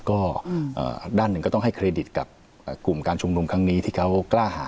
ก็ด้านหนึ่งก็ต้องให้เครดิตกับกลุ่มการชุมนุมครั้งนี้ที่เขากล้าหา